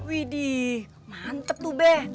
widih mantep tuh be